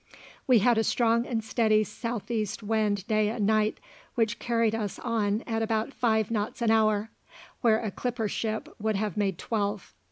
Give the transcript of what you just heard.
We had a strong and steady south east wind day and night, which carried us on at about five knots an hour, where a clipper ship would have made twelve.